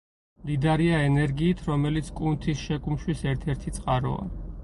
მდიდარია ენერგიით, რომელიც კუნთის შეკუმშვის ერთ-ერთი წყაროა.